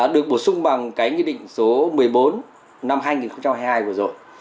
được bổ sung bằng cái nghị định số một mươi bốn năm hai nghìn hai mươi hai vừa rồi